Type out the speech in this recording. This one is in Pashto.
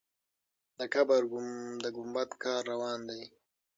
د قبر د ګمبد کار روان دی.